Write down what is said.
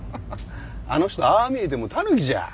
あの人ああ見えてもタヌキじゃ。